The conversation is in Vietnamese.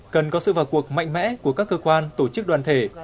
cần có sự vào cuộc mạnh mẽ của các cơ quan tổ chức đoàn thể